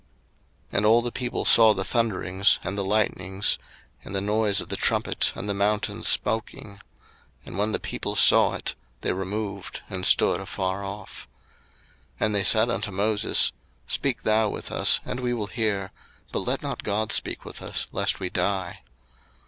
02:020:018 And all the people saw the thunderings, and the lightnings, and the noise of the trumpet, and the mountain smoking: and when the people saw it, they removed, and stood afar off. 02:020:019 And they said unto Moses, Speak thou with us, and we will hear: but let not God speak with us, lest we die.